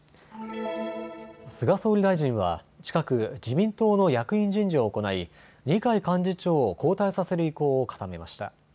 菅総理大臣は近く自民党の役員人事を行い二階幹事長を交代させる意向を固めました。